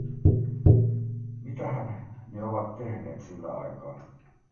Mitähän ne ovat tehneet sillä aikaa?